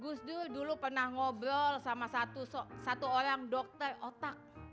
gus dur dulu pernah ngobrol sama satu orang dokter otak